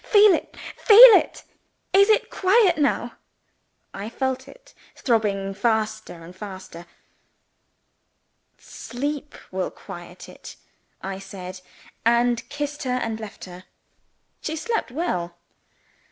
Feel it! feel it! Is it quiet now?" I felt it throbbing faster and faster. "Sleep will quiet it," I said and kissed her, and left her. She slept well.